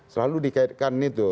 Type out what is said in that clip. selalu dikaitkan itu